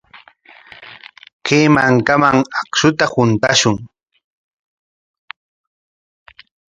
Kay mankaman akshuta huntashun.